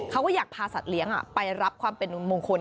เขาก็อยากพาสัตว์เลี้ยงไปรับความเป็นมงคล